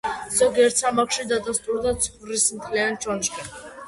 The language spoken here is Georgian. ზოგიერთ სამარხში დადასტურდა ცხვრის მთლიანი ჩონჩხი.